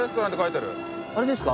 あれですか？